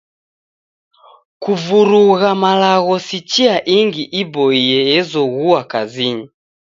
Kuvurugha malagho si chia ingi iboie ezoghua kazinyi.